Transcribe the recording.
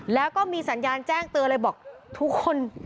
แล้วก็มีสัญญาณแจ้งเตือนเลยบอกทุกคน